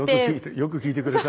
よく聞いてくれた。